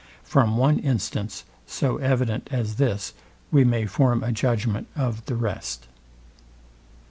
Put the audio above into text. From one instance so evident as this we may form a judgment of the rest.